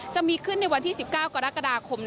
จะมีขึ้นในวันที่๑๙กรกฎาคม